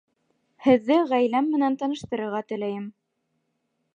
Һеҙҙе ғаиләм менән таныштырырға теләйем